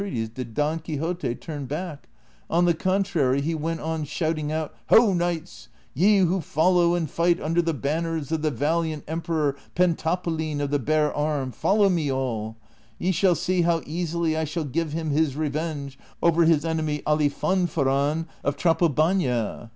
123 ties did Don Quixote turn back ; on tlie contrary lie went on shouting out, " Ho, knights, ye who follow and fight under the banners of the valiant emperor Fentapolin of the Bare Ann, follow nie all ; ye shall see how easily I shall give him his re venge over his enemy Alifanfaron of Trapobana."